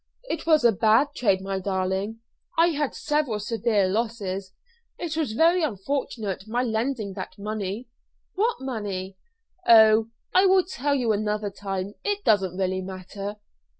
"It was a bad trade, my darling. I had several severe losses. It was very unfortunate my lending that money." "What money?" "Oh, I will tell you another time; it doesn't really matter.